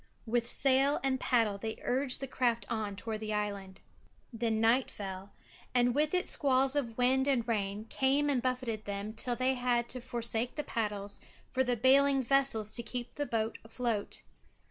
With sail and paddle they urged the craft on toward the island. Then night fell, and with it squalls of wind and rain came and buffeted them till they had to forsake the paddles for the bailing vessels to keep the boat afloat.